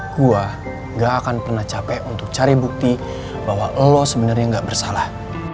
gue gak akan pernah capek untuk cari bukti bahwa lo sebenernya gak bersalah